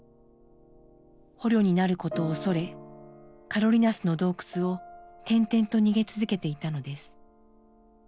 捕虜になることを恐れカロリナスの洞窟を転々と逃げ続けていたのです。